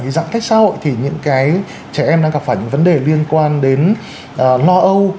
giãn cách xã hội thì những trẻ em đang gặp phải những vấn đề liên quan đến lo âu